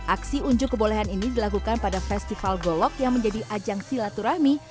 aksi unjuk kebolehan ini dilakukan pada festival golok yang menjadi ajang silaturahmi